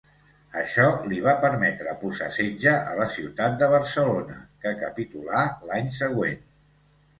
Això li va permetre posar setge a la ciutat de Barcelona, que capitulà l'any següent.